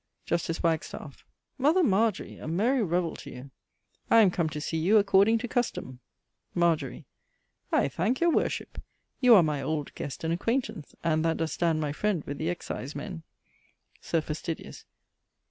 Justice Wagstaffe. Mother Margery, a merry revell to you! I am come to see you according to custome. Margery. I thanke your worship. You are my old guest and acquaintance, and that does stand my friend with the excisemen. _Sir Fastidious.